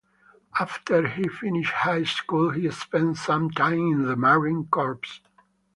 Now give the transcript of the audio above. After he finished high school he spent some time in the Marine Corps.